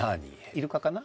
イルカかな？